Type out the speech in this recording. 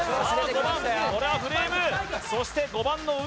５番これはフレームそして５番の上